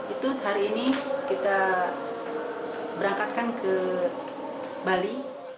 itu sehari ini kita berangkatkan ke bali